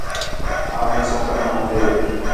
ہا میساں قلم ہتھے